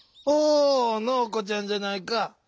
おナオコちゃんじゃないか。